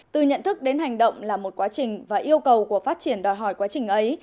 từ nhận thức đến hành động là một quá trình và yêu cầu của phát triển đòi hỏi quá trình ấy